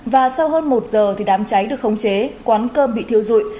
và sau hơn một giờ thì đàm cháy được khống chế quán cơm bị thiêu rụi